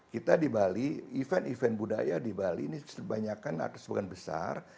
kita di bali event event budaya di bali ini kebanyakan atau sebagian besar